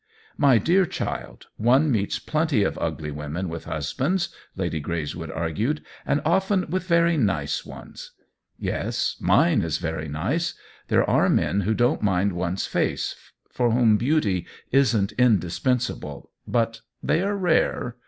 " My dear child, one meets plenty of ugly women with husbands," Lady Greyswood argued, " and often with very nice ones." " Yes, mine is very nice. There are men who don't mind one's face, for whom beauty isn't indispensable, but they are rare.